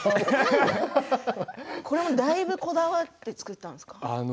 これも、だいぶこだわって作ったんですか？